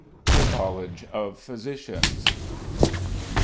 THE COLLEGE OF PHYSICIANS.